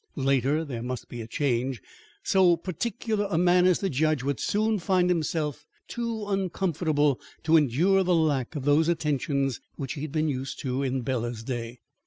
Later, there must be a change. So particular a man as the judge would soon find himself too uncomfortable to endure the lack of those attentions which he had been used to in Bela's day.